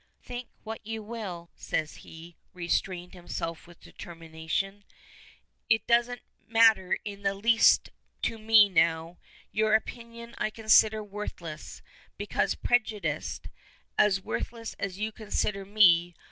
"Think what you will," says he, restraining himself with determination. "It doesn't matter in the least to me now. Your opinion I consider worthless, because prejudiced as worthless as you consider me.